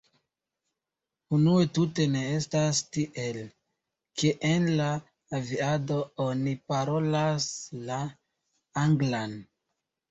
Unue tute ne estas tiel, ke en la aviado oni parolas la anglan.